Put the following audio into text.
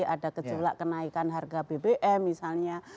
ada gejolak kenaikan harga bbm misalnya